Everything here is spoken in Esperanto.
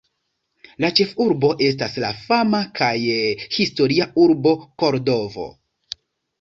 La ĉefurbo estas la fama kaj historia urbo Kordovo.